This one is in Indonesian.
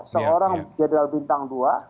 seorang jadwal bintang dua